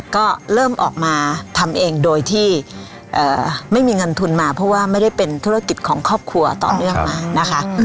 ก็เริ่มออกมาทำเองโดยที่ไม่มีเงินทุนมาเพราะว่าไม่ได้เป็นธุรกิจของครอบครัวต่อเนื่องมานะคะ